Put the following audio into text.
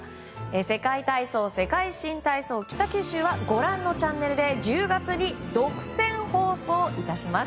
「世界体操・世界新体操北九州」はご覧のチャンネルで１０月に独占放送致します。